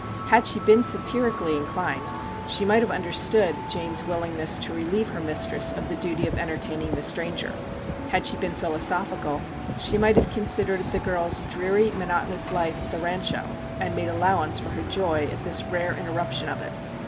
Had she been satirically inclined, she might have under MR. JACK HAMLIN'S MEDIATION 11 stood Jane's willingness to relieve her mistress of the duty of entertaining the stranger ; had she been philosophical, she might have con sidered the girl's dreary, monotonous life at the Rancho, and made allowance for her joy at this rare interruption of it.